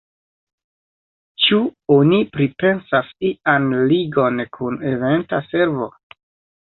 Ĉu oni pripensas ian ligon kun Eventa servo?